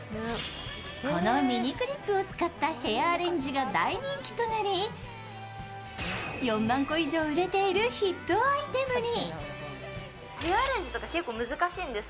このミニクリップを使ったヘアアレンジが大人気となり４万個以上売れているヒットアイテムに。